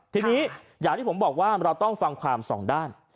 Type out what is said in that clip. ทีนี้อย่างที่ผมบอกว่าเราต้องฟังความสองด้าน